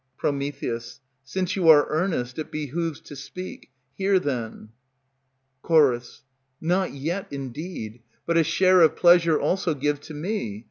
_ Since you are earnest, it behooves to speak; hear then. Ch. Not yet, indeed; but a share of pleasure also give to me.